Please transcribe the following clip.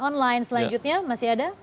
oke masih ada